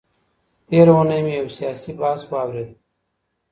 تېره اونۍ مي يو سياسي بحث واورېد.